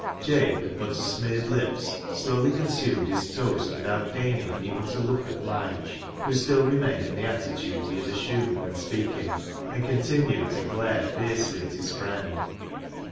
Jabe, with butter smeared lips, slowly con sumed his toast without deigning even to look at Lige, who still remained in the attitude he had assumed when speaking, and continued to glare fiercely at his friend.